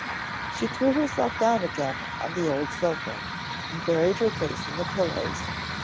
She threw herself down again on the old sofa, and buried her face in the pillows.